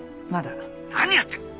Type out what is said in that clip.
何やってる！